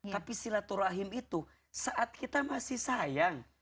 tapi silaturahim itu saat kita masih sayang